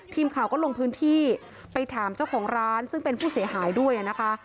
ทีมข่าวก็ลงพื้นที่ไปถามเจ้าของร้านซึ่งเป็นผู้เสียหายด้วยนะคะ